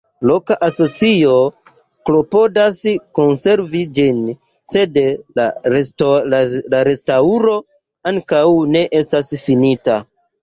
Loka asocio klopodas konservi ĝin, sed la restaŭro ankoraŭ ne estas finita.